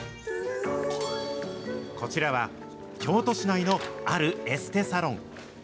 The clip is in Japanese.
こちらは、京都市内のあるエステサロン。